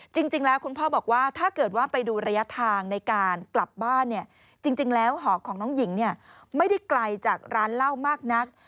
จริงแล้วคุณพ่อบอกว่าถ้าเกิดว่าไปดูระยะทางในการกลับบ้านเนี่ยจริงแล้วหอของน้องหญิงไม่ได้ไกลจากร้านเหล้ามากนัก